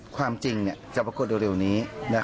ความจริงจะปรากฏเร็วนี้